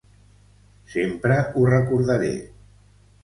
Sempre ho recordaré.